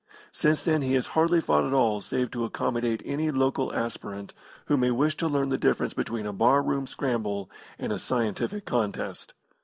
Since then he has hardly fought at all save to accommodate any local aspirant who may wish to learn the difference between a bar room scramble and a scientific contest.